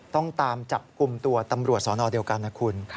ต้องตามจับกลุ่มตัวตำรวจสอนอเดียวกันนะคุณ